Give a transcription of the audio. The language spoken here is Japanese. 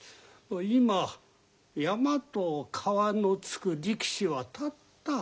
今山と川の付く力士はたった。